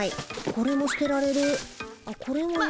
これも捨てられるな。